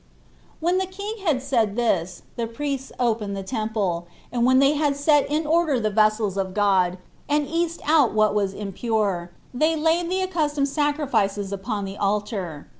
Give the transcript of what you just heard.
2. When the king had said this, the priests opened the temple; and when they had set in order the vessels of God, and east out what was impure, they laid the accustomed sacrifices upon the altar.